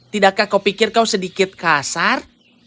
tidakkah kau pikir kau sedikit kasar